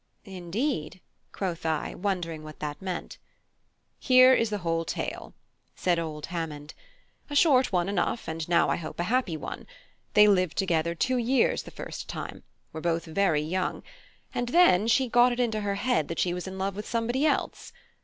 "Indeed," quoth I, wondering what that meant. "Here is the whole tale," said old Hammond; "a short one enough; and now I hope a happy one: they lived together two years the first time; were both very young; and then she got it into her head that she was in love with somebody else.